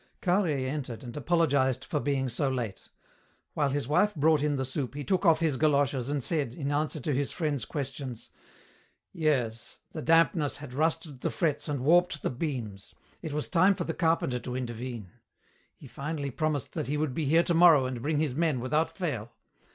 Carhaix entered and apologized for being so late. While his wife brought in the soup he took off his goloshes and said, in answer to his friends' questions, "Yes; the dampness had rusted the frets and warped the beams. It was time for the carpenter to intervene. He finally promised that he would be here tomorrow and bring his men without fail.